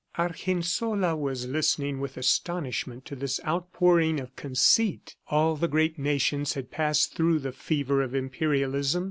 Argensola was listening with astonishment to this outpouring of conceit. All the great nations had passed through the fever of Imperialism.